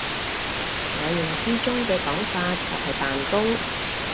我認知中嘅講法就係扮工！